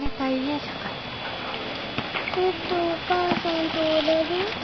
ずっとお母さんとおれる？